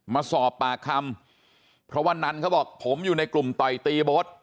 มาสอบปากคำเพราะว่านันเขาบอกผมอยู่ในกลุ่มต่อยตีโบ๊ท